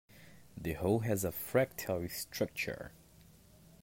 The whole has a fractal structure.